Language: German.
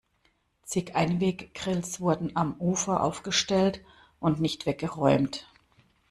Zig Einweggrills wurden am Ufer aufgestellt und nicht weggeräumt.